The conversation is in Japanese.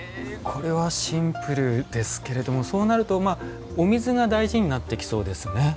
これはシンプルですけれどもそうなるとお水が大事になってきそうですね。